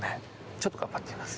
ちょっと頑張ってみます。